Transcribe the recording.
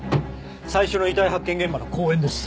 最初の遺体発見現場の公園です。